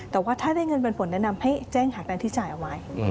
แต่ว่าถ้าได้เงินปันผลแนะนำให้แจ้งหาแฟนที่จ่ายเอาไว้